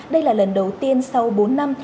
đây là lần đầu tiên sau bốn năm